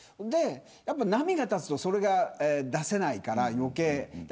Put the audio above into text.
波が立つとそれが出せないから余計に。